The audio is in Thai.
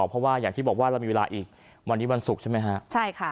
เพราะว่าอย่างที่บอกว่าเรามีเวลาอีกวันนี้วันศุกร์ใช่ไหมฮะใช่ค่ะ